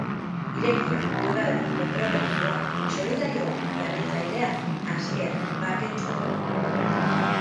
Irekia, plurala, konprometitua, solidarioa, berritzailea, askea, baketsua.